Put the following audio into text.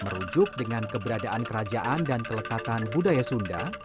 merujuk dengan keberadaan kerajaan dan kelekatan budaya sunda